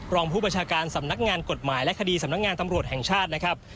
รองผู้ประชาการสำนักงานกฎหมายและคดีสำนักงานตำรวจแห่งชาตินะครับ